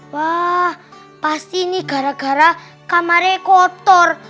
wah pasti ini gara gara kamarnya kotor